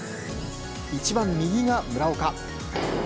１番右が村岡。